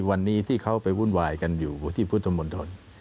วันนี้ที่เขาไปวุ่นวายกันอยู่ที่พุทธมนตร